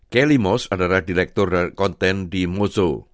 kelly moss adalah direktur konten di mozo